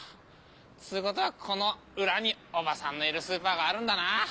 つうことはこの裏におばさんのいるスーパーがあるんだな。